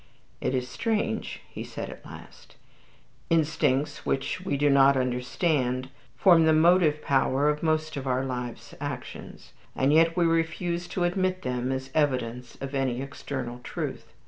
"It is strange," he said at last; "instincts which we do not understand form the motive power of most of our life's actions, and yet we refuse to admit them as evidence of any external truth.